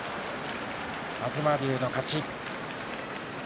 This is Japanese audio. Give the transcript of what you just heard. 東龍の勝ち。